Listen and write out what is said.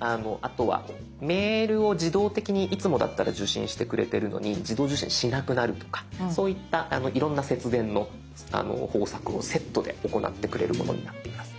あとはメールを自動的にいつもだったら受信してくれてるのに自動受信しなくなるとかそういったいろんな節電の方策をセットで行ってくれるものになっています。